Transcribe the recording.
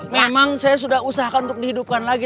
memang saya sudah usahakan untuk dihidupkan lagi